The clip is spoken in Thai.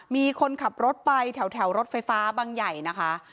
มีคนขับรถไปแถวรถไฟฟ้าบางใหญ่นะคะ